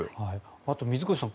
あと水越さん